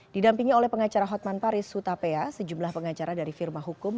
didampingi oleh pengacara hotman paris hutapea sejumlah pengacara dari firma hukum